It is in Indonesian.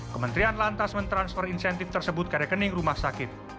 kementerian lantas mentransfer insentif tersebut ke rekening rumah sakit